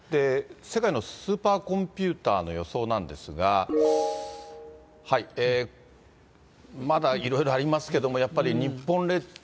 世界のスーパーコンピューターの予想なんですが、まだいろいろありますけども、やっぱり日本列島